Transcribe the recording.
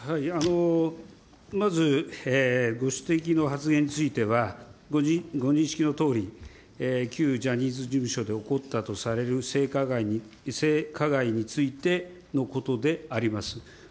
まず、ご指摘の発言については、ご認識のとおり、旧ジャニーズ事務所で起こったとされる、性加害についてのことであります。